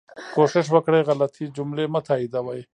کوښښ وکړئ غلطي جملې مه تائیدوئ